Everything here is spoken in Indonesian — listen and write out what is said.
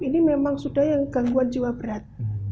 ini memang sudah yang gangguan jiwa berat